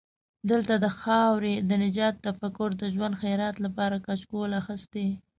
دلته د خاورې د نجات تفکر د ژوند خیرات لپاره کچکول اخستی.